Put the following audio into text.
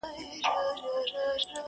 هغه د خلکو له نظره پټه ساتل کيږي هلته,